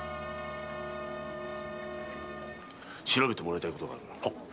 調べてもらいたいことがある。